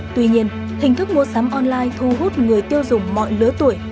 tuy nhiên hình thức mua sắm online thu hút người tiêu dùng mọi lứa tuổi